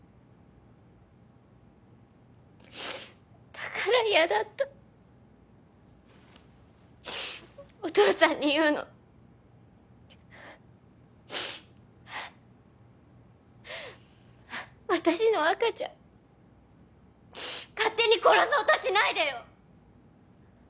だから嫌だったお父さんに言うの私の赤ちゃん勝手に殺そうとしないでよ